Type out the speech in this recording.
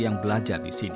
yang belajar disini